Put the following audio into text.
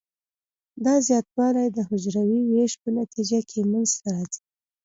دا زیاتوالی د حجروي ویش په نتیجه کې منځ ته راځي.